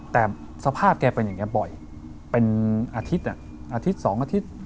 แต่สภาพแกเป็นอย่างนี้บ่อยเป็นอาทิตย์อาทิตย์๒อาทิตย์